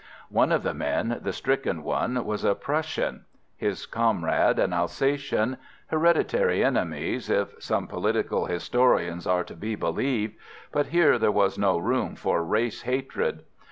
One of the men, the stricken one, was a Prussian; his comrade an Alsatian: hereditary enemies, if some political historians are to be believed, but here there was no room for race hatred.